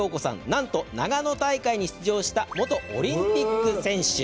なんと、長野大会に出場した元オリンピック選手。